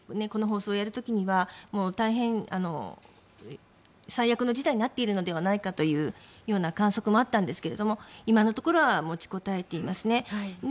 この放送をやる時には大変、最悪の事態になっているのではないかという観測もあったんですけれども今のところは持ちこたえていますね。